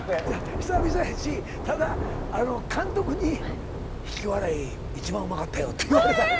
久々やしただ監督に「引き笑い一番うまかったよ」って言われた。